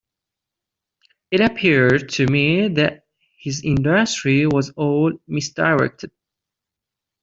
It appeared to me that his industry was all misdirected.